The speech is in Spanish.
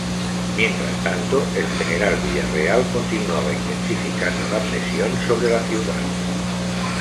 Mientras tanto, el general Villarreal continuaba intensificando la presión sobre la ciudad.